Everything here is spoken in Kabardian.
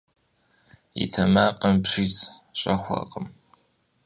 И тэмакъым бжьиз щӀэхуэркъым.